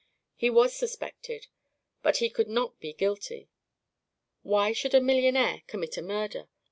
He was suspected; but he could not be guilty. Why should a millionaire commit a murder?